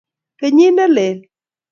kenyit nelel